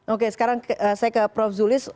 oke sekarang saya ke prof zulis